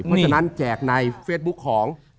เพราะฉะนั้นแจกในเฟซบุ๊คของ